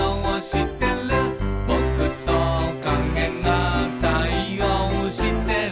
「ぼくと影が対応してる」